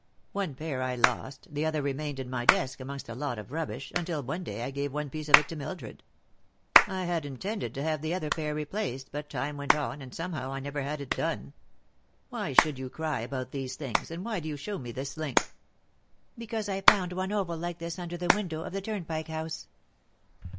One pair I lost, the other remained in my desk amongst a lot of rubbish, until one day I gave one piece of it to Mildred. I had intended to have the other pair replaced, but time went on, and somehow I never had it done. Why should you cry about these things, and why do you shew me this link?" "Because I found one oval like this under the window of the Turnpike House."